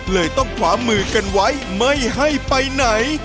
เลยต้องขวามือกันไว้ไม่ให้ไปไหน